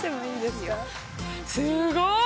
すごい。